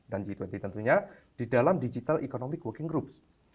dan g dua puluh tentunya di dalam digital economic working group